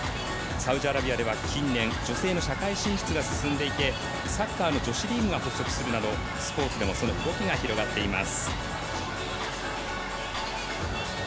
サウジアラビアは近年女性の社会進出が進んでいてサッカーの女子リーグが発足するなどスポーツでもその動きが広がっています。